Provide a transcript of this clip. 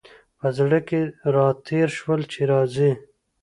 په زړه کي را تېر شول چي راځي !